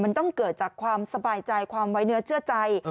มันต้องเกิดจากความสบายใจความไว้เนื้อเชื่อใจ